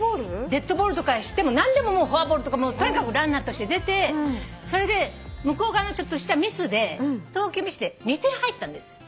デッドボールとかしても何でもフォアボールとかとにかくランナーとして出てそれで向こう側のちょっとしたミスで投球ミスで２点入ったんですよ。